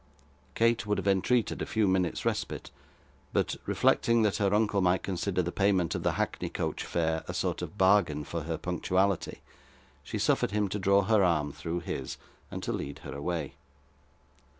Kate would have entreated a few minutes' respite, but reflecting that her uncle might consider the payment of the hackney coach fare a sort of bargain for her punctuality, she suffered him to draw her arm through his, and to lead her away.